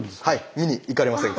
見に行かれませんか？